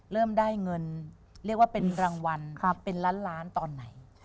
เริ่มได้เงินเรียกว่าเป็นรางวัลเป็นล้านล้านตอนไหน